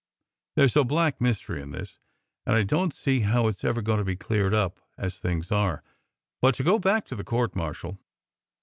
There s a black mystery in this, and I don t see how it s ever going to be cleared up, as things are. But to go back to the court martial.